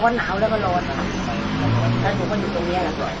บอกว่าหนาวแล้วก็ร้อนแล้วทุกคนอยู่ตรงเนี้ยหล่ะ